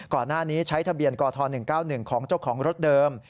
ก่อนหน้านี้ใช้ทะเบียนกท๑๙๑ของเจ้าของรถเดิม